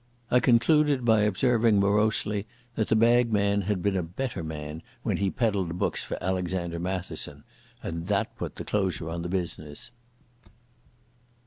I concluded by observing morosely that the bagman had been a better man when he peddled books for Alexander Matheson, and that put the closure on the business.